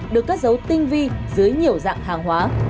được cất dấu tinh vi dưới nhiều dạng